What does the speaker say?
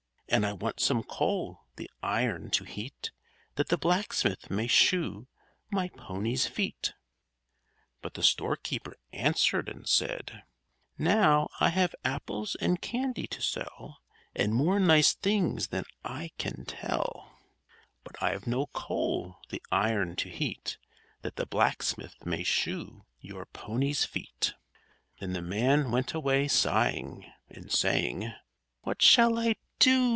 And I want some coal the iron to heat, That the blacksmith may shoe my pony's feet_." But the storekeeper answered and said: "_Now, I have apples and candy to sell, And more nice things than I can tell; But I've no coal the iron to heat, That the blacksmith may shoe your pony's feet_." Then the man went away sighing, and saying: "_What shall I do?